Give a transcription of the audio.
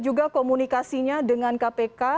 juga komunikasinya dengan kpk